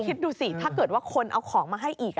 คิดดูสิถ้าเกิดว่าคนเอาของมาให้อีก